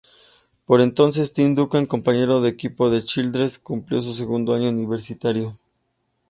Por entonces Tim Duncan, compañero de equipo de Childress, cumplía su segundo año universitario.